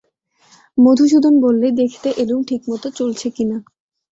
মধুসূদন বললে, দেখতে এলুম ঠিকমত চলছে কি না।